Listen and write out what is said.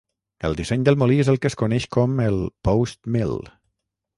El disseny del molí és el que es coneix com el "post mill".